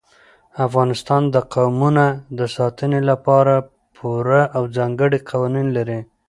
افغانستان د قومونه د ساتنې لپاره پوره او ځانګړي قوانین لري.